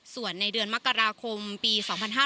ส่วนในเดือนมกราคมปี๒๕๕๙